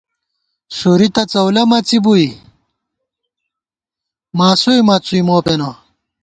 سُوری تہ څؤلَہ مڅِبُوئی، ماسوئی مڅُوئی مو پېنہ